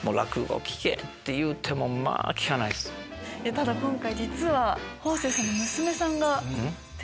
ただ今回実は。